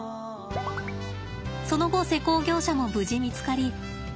その後施工業者も無事見つかり